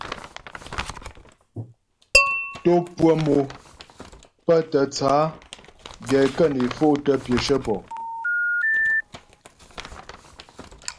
Tò pʉə̀ mò pə́ tə tsə á gɛ kə́ né fo'tə pyəshə pɔ.